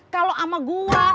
kalau sama gue